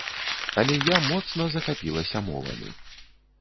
Але я моцна захапілася мовамі.